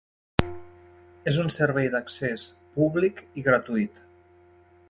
És un servei d’accés públic i gratuït.